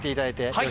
はい。